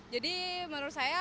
jadi menurut saya